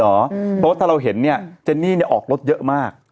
เพราะว่าถ้าเราเห็นเนี่ยเจนนี่ออกรถเยอะมาก